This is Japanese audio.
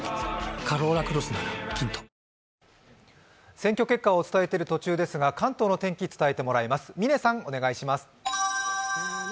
選挙結果をお伝えしている途中ですが関東の天気を伝えてもらいます。